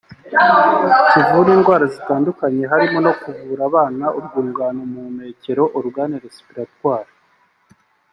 Kivura indwara zitandukanye harimo no kuvura abana urwungano mpumekero (organe respiratoire)